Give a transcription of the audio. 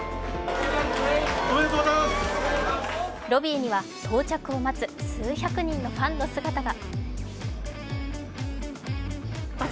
ロビーには到着を待つ数百人のファンの姿が。